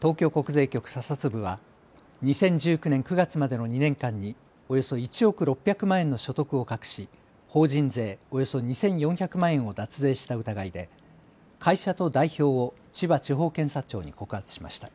東京国税局査察部は２０１９年９月までの２年間におよそ１億６００万円の所得を隠し法人税およそ２４００万円を脱税した疑いで会社と代表を千葉地方検察庁に告発しました。